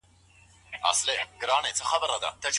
څوک د زياتو ستونزو د زغم وړتيا لري؟